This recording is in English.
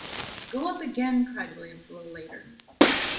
"Go up again," cried Williams a little later.